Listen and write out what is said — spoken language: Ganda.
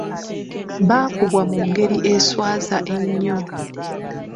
Bakubwa mu ngeri eswaza ennyo!